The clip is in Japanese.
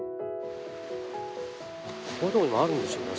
こういうところにもあるんですよね